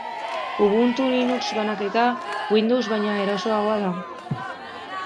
Ubuntu, Linux banaketa, Windows baino erosoagoa da.